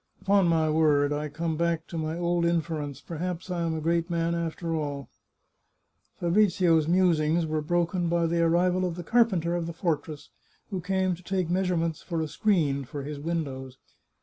Upon my word, I come back to my old inference ; perhaps I am a great man, after all !" Fabrizio's musings were broken by the arrival of the car penter of the fortress, who came to take measurements for a screen for his windows.